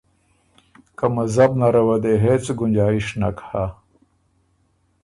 که مذهب نره وه دې هېڅ ګنجائش نک هۀ۔